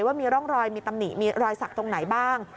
ว่ามีร่องรอยมีตำหนิมีรอยสักตรงไหนบ้าง